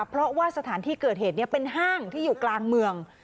เพราะว่าสถานที่เกิดเหตุนี้เป็นห้างที่อยู่กลางเมือง